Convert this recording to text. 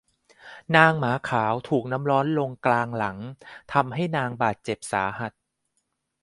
นางหมาขาวถูกน้ำร้อนลงกลางหลังทำให้นางบาดเจ็บสาหัส